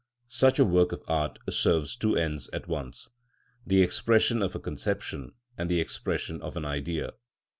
Such a work of art serves two ends at once, the expression of a conception and the expression of an Idea.